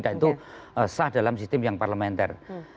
dan itu sah dalam sistem yang parlementer